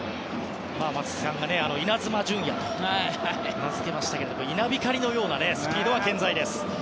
松木さんがイナズマ純也と名付けましたが稲光のようなスピードは健在です。